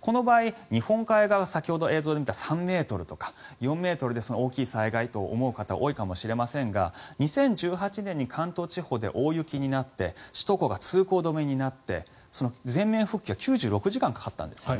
この場合、日本海側は先ほど映像で見た３ｍとか４ｍで大きい災害と思う方も多いと思いますが２０１８年に関東地方で大雪になって首都高が通行止めになって全面復旧に９６時間かかったんですよね。